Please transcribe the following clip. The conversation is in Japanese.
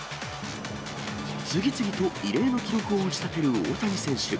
次々と異例の記録を打ち立てる大谷選手。